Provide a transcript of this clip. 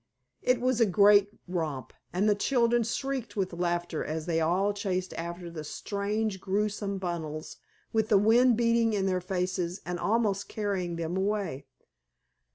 It was a great romp, and the children shrieked with laughter as they all chased after the strange, grotesque bundles, with the wind beating in their faces and almost carrying them away.